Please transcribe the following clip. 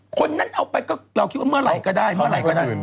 คนนั้นเอาไปก็เราคิดว่าเมื่อไหร่ก็ได้เมื่อไหร่ก็ได้